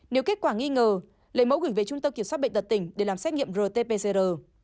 nếu kết quả nghi ngờ lấy mẫu gửi về trung tâm kiểm soát bệnh tật tỉnh để làm xét nghiệm rt pcr